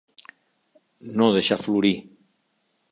No deixar florir.